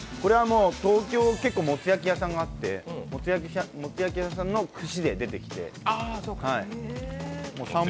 東京、結構、もつ焼き屋さんがあってもつ焼き屋さんの串で出てきて。